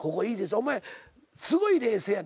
お前すごい冷静やでな。